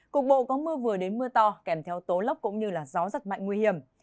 cục bộ có mưa vừa đến mưa to kèm theo tố lốc cũng như gió rất mạnh nguy hiểm